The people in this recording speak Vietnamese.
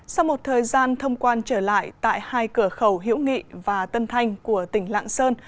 sau một thời gian thông quan trở lại tại hai cửa khẩu hiễu nghị và tân thanh của tỉnh lạng sơn